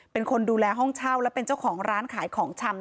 เป็นคนดูแลห้องเช่าและเป็นเจ้าของร้านขายของชำ